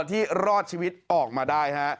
ที่รอดชีวิตออกมาได้ฮะ